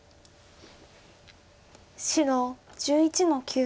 白１１の九。